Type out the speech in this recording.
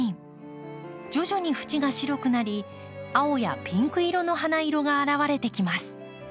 徐々に縁が白くなり青やピンク色の花色が現れてきます。